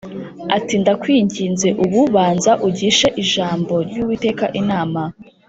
ati “Ndakwinginze, ubu banza ugishe ijambo ry’Uwiteka inama”